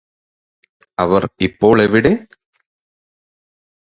അവർ ഇപ്പോൾ എവിടെ